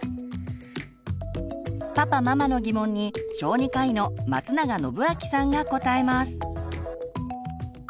パパママの疑問に小児科医の松永展明さんが答えます。